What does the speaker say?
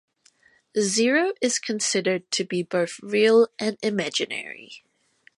Zero is considered to be both real and imaginary.